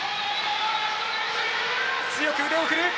強く腕を振る。